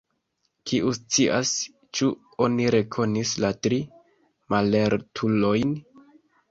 Kiu scias, ĉu oni rekonis la tri mallertulojn?